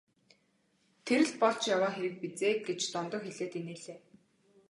Тэр л болж яваа хэрэг биз ээ гэж Дондог хэлээд инээлээ.